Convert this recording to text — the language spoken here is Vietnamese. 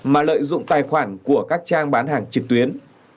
mà lợi dụng tài khoản của các trang bán hàng trực tuyến